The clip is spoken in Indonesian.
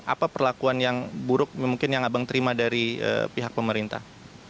apa perlakuan yang buruk mungkin yang abang terima dari pihak pemerintah